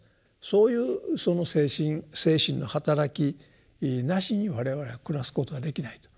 そういう精神のはたらきなしに我々は暮らすことはできないと。